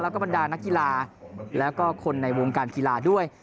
แล้วก็บรรดานักกีฬาแล้วก็คนในวงการกีฬาด้วย